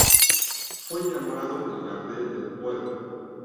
Fue llamado el Gardel del Puerto.